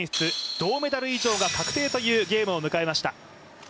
銅メダル以上が確定というゲームを迎えました。